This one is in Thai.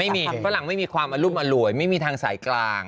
ฝรั่งไม่มีความอรุมอร่วยไม่มีทางสายกลาง